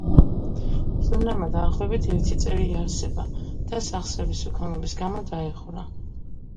ჟურნალმა დაახლოებით ერთი წელი იარსება და სახსრების უქონლობის გამო დაიხურა.